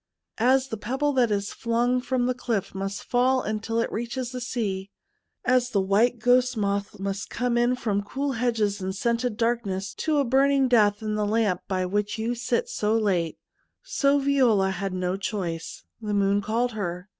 As the pebble that is flung from the cliff must fall until it reaches the sea, as the white ghost moth must come in from cool hedges and scented darkness to a burning death in the lamp by which you sit so late — so Viola had no choice. The moon called her.